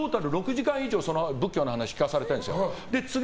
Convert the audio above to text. トータル６時間以上仏教の話を聞かされたの。